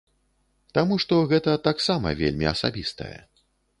Таму што гэта таксама вельмі асабістае.